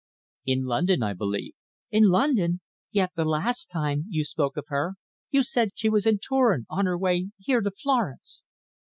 "In London, I believe." "In London! Yet the last time you spoke of her you said she was in Turin, on her way here, to Florence."